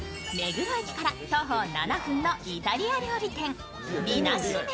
目黒駅から徒歩７分のイタリア料理店